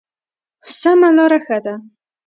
سمه لاره ښه ده.